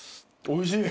おいしい。